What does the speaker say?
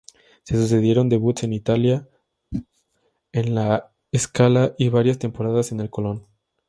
Se sucedieron debuts en Italia, en La Scala y varias temporadas en el Colón.